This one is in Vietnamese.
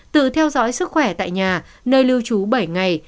tự theo dõi sức khỏe tại nhà nơi lưu trú bảy ngày